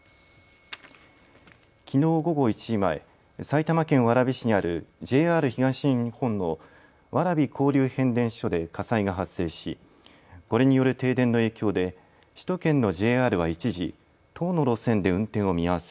きのう午後１時前、埼玉県蕨市にあるＪＲ東日本の蕨交流変電所で火災が発生しこれによる停電の影響で首都圏のＪＲは一時、１０の路線で運転を見合わせ